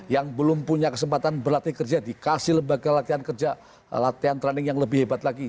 yang belum punya kesempatan berlatih kerja dikasih lembaga latihan kerja latihan training yang lebih hebat lagi